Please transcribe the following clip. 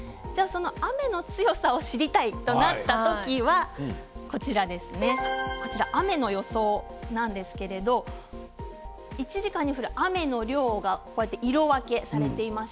雨の強さを知りたいとなった時は雨の予想なんですけれど１時間に降る雨の量が色分けされています。